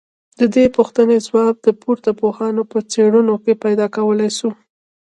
ددې پوښتني ځواب د پورته پوهانو په څېړنو کي پيدا کولای سو